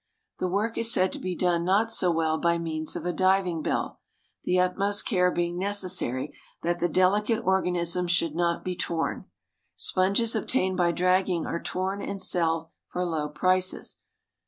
The work is said to be done not so well by means of a diving bell, the utmost care being necessary that the delicate organisms should not be torn. Sponges obtained by dragging are torn and sell for low prices.